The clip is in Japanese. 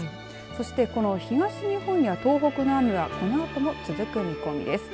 そして、この東日本や東北の雨はこのあとも続く見込みです。